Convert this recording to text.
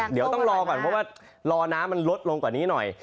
เดี๋ยวต้องรอก่อนเพราะว่ารอน้ำมันลดลงกว่านี้หน่อย